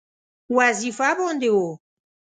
وظیفه باندې وو.